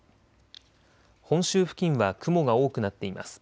本州付近は雲が多くなっています。